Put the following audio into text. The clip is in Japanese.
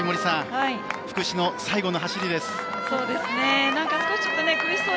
さん福士の最後の走りです。